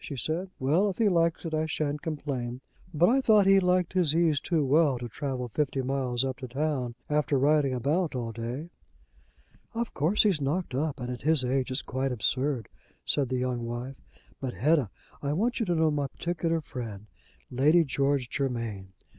she said. "Well, if he likes it, I shan't complain. But I thought he liked his ease too well to travel fifty miles up to town after riding about all day." "Of course he's knocked up, and at his age it's quite absurd," said the young wife. "But Hetta, I want you to know my particular friend Lady George Germain.